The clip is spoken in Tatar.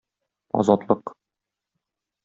Азатлык!